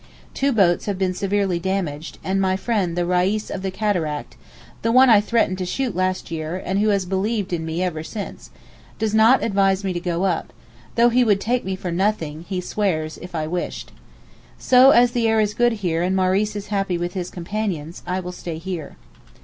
Two boats have been severely damaged, and my friend the Reis of the Cataract (the one I threatened to shoot last year, and who has believed in me ever since) does not advise me to go up, though he would take me for nothing, he swears, if I wished. So as the air is good here and Maurice is happy with his companions, I will stay here.